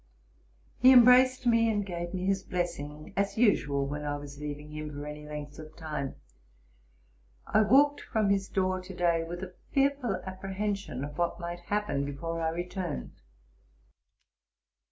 He embraced me, and gave me his blessing, as usual when I was leaving him for any length of time. I walked from his door to day, with a fearful apprehension of what might happen before I returned.